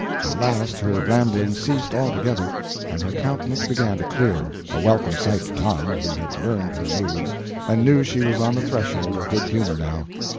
At last her ramblings ceased altogether, and her countenance began to clear a welcome sign to Tom, who had learned her moods, and knew she was on the threshold of good humor, now.